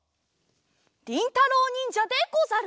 りんたろうにんじゃでござる！